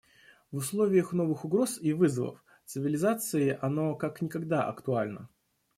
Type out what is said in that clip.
В условиях новых угроз и вызовов цивилизации оно как никогда актуально.